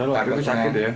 lagi sakit ya